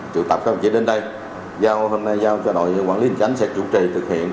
trưởng tập các đồng chí đến đây giao cho đội quản lý hình chánh sẽ chủ trì thực hiện